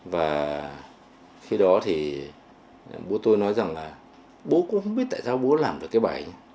và khi đó thì bố tôi nói rằng là bố cũng không biết tại sao bố làm được cái bài